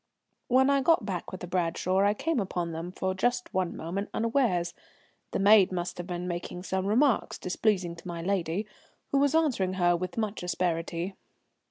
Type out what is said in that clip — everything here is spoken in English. When I got back with the Bradshaw I came upon them for just one moment unawares. The maid must have been making some remarks displeasing to my lady, who was answering her with much asperity.